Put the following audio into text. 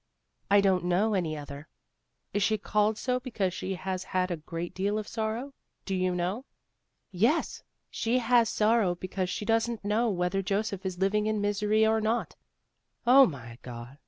"I don't know any other." "Is she called so because she has had a great deal of sorrow? Do you know?" "Yes, she has sorrow, because she doesn't know whether Joseph is living in misery or not." "Oh, my God!